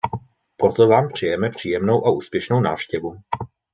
Proto Vám přejeme příjemnou a úspěšnou návštěvu.